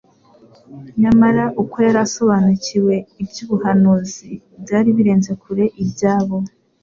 nyamara uko yari asobanukiwe iby'ubuhanuzi byari birenze kure ibyabo